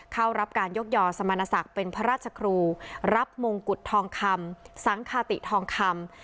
เข้ารับการยกยอสมณศักดิ์เป็นพระราชครูรับมงกุฎทองคำสังคาติทองคำ